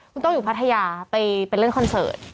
คุณโต้อยู่พัทยาไปเล่นคอนเสิร์ต